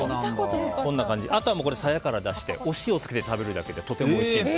あとはサヤから出してお塩をつけて食べるだけでとてもおいしいので。